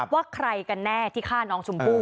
ว่าใครกันแน่ที่ฆ่าน้องชมพู่